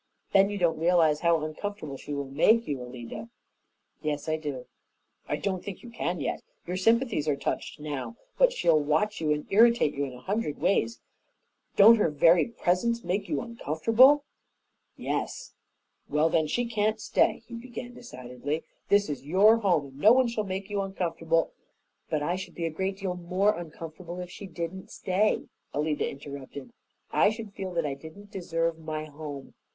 Then you don't realize how uncomfortable she will make you, Alida." "Yes, I do." "I don't think you can yet. Your sympathies are touched now, but she'll watch you and irritate you in a hundred ways. Don't her very presence make you uncomfortable?" "Yes." "Well, then, she can't stay," he began decidedly. "This is your home, and no one shall make you uncomfortable " "But I should be a great deal more uncomfortable if she didn't stay," Alida interrupted. "I should feel that I did not deserve my home.